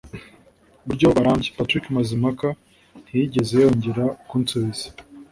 buryo burambye. Patrick Mazimpaka ntiyigeze yongera kunsubiza.